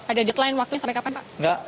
ada deadline waktunya sampai kapan pak